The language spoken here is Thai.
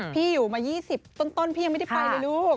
พี่อยู่มา๒๐ต้นพี่ยังไม่ได้ไปเลยลูก